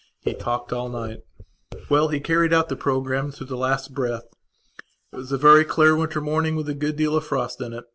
He talked all night. Well, he carried out the programme to the last breath. It was a very clear winter morning, with a good deal of frost in it.